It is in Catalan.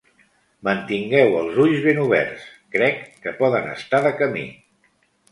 Mantingueu els ulls ben oberts! Crec que poden estar de camí.